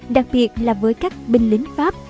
đặc biệt là với các binh lính pháp